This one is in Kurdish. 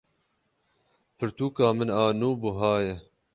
Pirtûka min a nû buha ye.